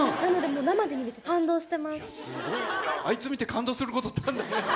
あいつ見て感動することってあるんだね。